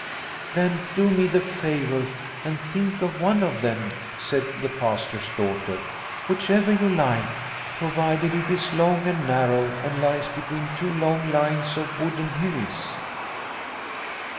" Then do me the favour and think of one of them," said the Pastor's daughter ;" which ever you like, provided it is long and narrow and lies between two long lines of wooded hills."